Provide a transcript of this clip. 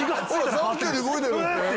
さっきより動いてる！って。